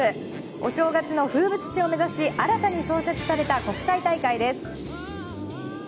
お正月の風物詩を目指し新たに創設された国際大会です。